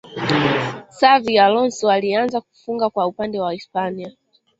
xavi alonso alianza kufunga kwa upande wa hispania